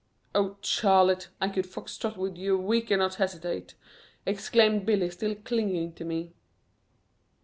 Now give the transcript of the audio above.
"Oh, Charlotte, I could fox trot with you a week and not hesitate," exclaimed Billy, still clinging to me.